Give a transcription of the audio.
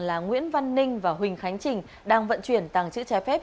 là nguyễn văn ninh và huỳnh khánh trình đang vận chuyển tàng chữ trái phép